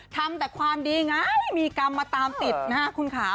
ทำแต่ความดีไงมีกรรมมาตามติดนะฮะคุณค่ะ